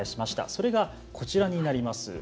それが、こちらになります。